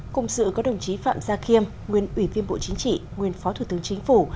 cùng sự có đồng chí phạm gia khiêm nguyên ủy viên bộ chính trị nguyên phó thủ tướng chính phủ